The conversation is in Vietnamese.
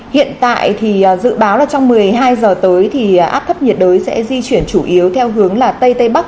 hiện tại thì dự báo là trong một mươi hai giờ tới thì áp thấp nhiệt đới sẽ di chuyển chủ yếu theo hướng là tây tây bắc